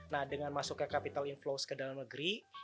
nah dengan masuknya capital inflows ke dalam negeri